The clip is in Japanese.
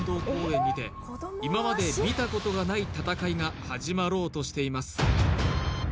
今まで見たことがない戦いが始まろうとしています